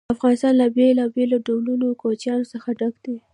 افغانستان له بېلابېلو ډولونو کوچیانو څخه ډک دی.